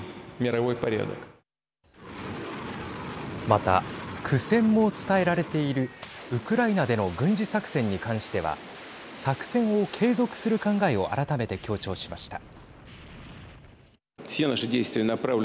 また、苦戦も伝えられているウクライナでの軍事作戦に関しては作戦を継続する考えを改めて強調しました。